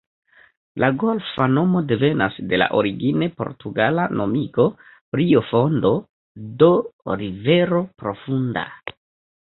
La golfa nomo devenas de la origine portugala nomigo "Rio Fondo", do "rivero profunda".